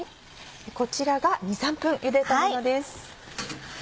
こちらが２３分ゆでたものです。